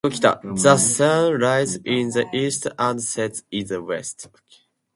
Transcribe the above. The sun rises in the east and sets in the west.